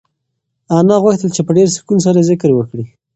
انا غوښتل چې په ډېر سکون سره ذکر وکړي.